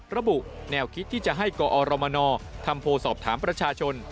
ระบุแนวคิดที่จะให้กอรมนทำโพลสอบถามประชาชน